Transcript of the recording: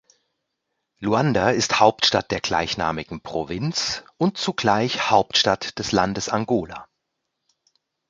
Luanda ist Hauptstadt der gleichnamigen Provinz und zugleich Hauptstadt des Landes Angola.